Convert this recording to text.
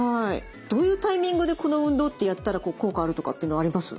どういうタイミングでこの運動ってやったら効果あるとかっていうのあります？